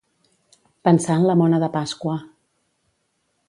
Pensar en la mona de Pasqua.